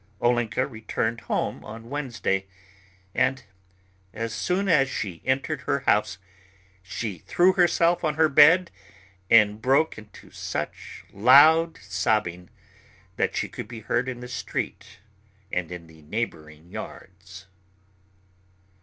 Olenka returned home on Wednesday; and as soon as she entered her house she threw herself on her bed and broke into such loud sobbing that she could be heard in the street and in the neighbouring yards.